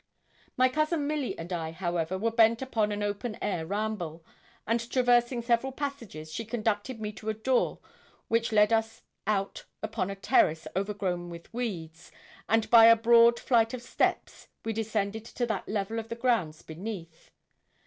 My cousin Milly and I, however, were bent upon an open air ramble, and traversing several passages, she conducted me to a door which led us out upon a terrace overgrown with weeds, and by a broad flight of steps we descended to the level of the grounds beneath.